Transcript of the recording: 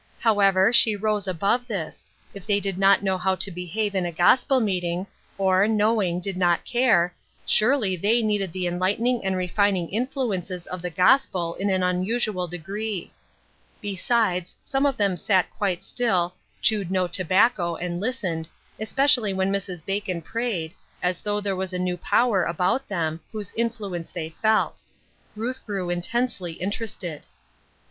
However, she rose above this ; if they did not know how to behave in a gospel meeting, or, knowing, did not care, surely they needed the enlightening and refining influences of the gospel in an unusual degree. Besides, some of them sat quite still, chewed no tobacco, and listened, especially when Mrs. Bacon prayed, as though there was a new power about them, whose influence they felt. Ruth grew intensely interested.